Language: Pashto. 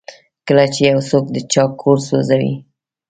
کله چې یو څوک د چا کور سوځوي.